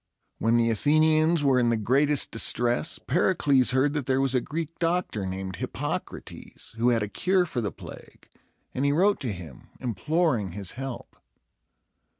When the Athenians were in the greatest distress, Pericles heard that there was a Greek doctor, named Hip poc´ra tes, who had a cure for the plague; and he wrote to him, imploring his help.